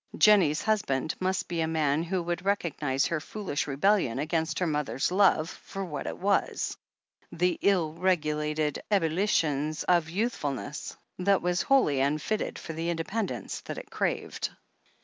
Jennie's husband must be a man who would recog nize her foolish rebellion against her mother's love for what it was — the ill regulated ebullitions of a youth fulness that was wholly tinfitted for the independence that it craved.